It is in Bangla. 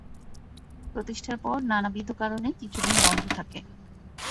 প্রতিষ্ঠার পর নানাবিধ কারনে কিছুদিন বন্ধ থাকে।